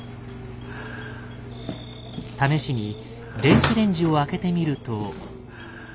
試しに電子レンジを開けてみると。